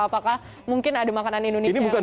apakah mungkin ada makanan indonesia yang nggak apa apa